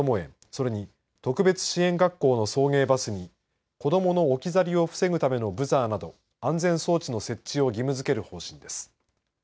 それに、特別支援学校の送迎バスに子どもの置き去りを防ぐためのブザーなど安全装置の設置を義務づける方針です。